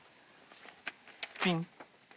ピン。